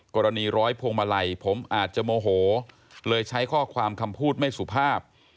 ร้อยพวงมาลัยผมอาจจะโมโหเลยใช้ข้อความคำพูดไม่สุภาพ